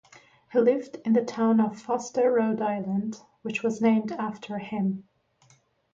He lived in the town of Foster, Rhode Island, which was named after him.